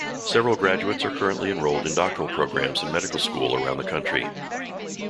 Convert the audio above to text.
Several graduates are currently enrolled in doctoral programs and medical school around the country.